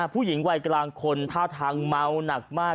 ผู้หญิงวัยกลางคนท่าทางเมาหนักมาก